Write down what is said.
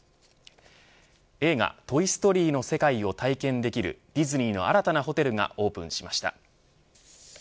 映画トイ・ストーリーの世界を体験できるディズニーの新たなホテルがオープンしました。